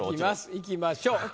いきましょう。